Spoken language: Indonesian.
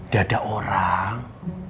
gak ada orang